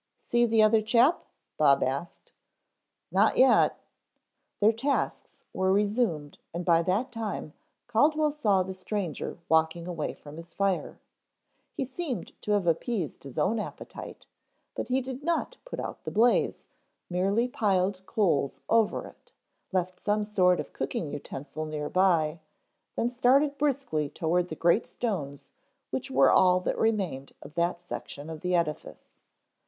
See the other chap?" Bob asked. "Not yet." Their tasks were resumed and by that time Caldwell saw the stranger walking away from his fire. He seemed to have appeased his own appetite, but he did not put out the blaze, merely piled coals over it, left some sort of cooking utensil near by, then started briskly toward the great stones which were all that remained of that section of the edifice.